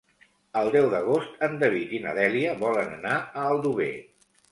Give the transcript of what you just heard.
El deu d'agost en David i na Dèlia volen anar a Aldover.